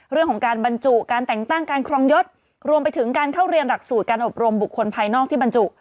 เรื่องของการบรรจุการแต่งตั้งการครองยศรวมไปถึงการเข้าเรียนหลักสูตรการอบรมบุคคลภายนอกที่บรรจุ